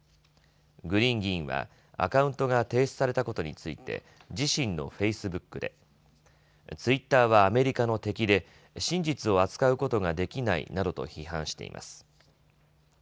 グリーン議員はアカウントが停止されたことについて自身のフェイスブックでツイッターはアメリカの敵で真実を扱うことができないなどと批判しています。